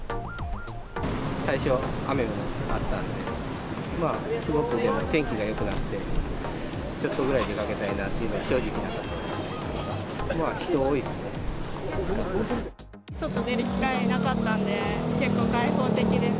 最初、雨もあったので、まあ、すごく、でも天気がよくなって、ちょっとぐらい出かけたいなというのが正直なところですね。